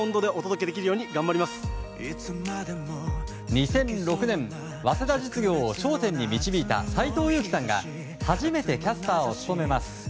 ２００６年早稲田実業を頂点に導いた斎藤佑樹さんが初めてキャスターを務めます。